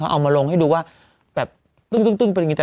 เขาเอามาลงให้ดูว่าแบบตึ้งตึ้งตึ้งเป็นอย่างงี้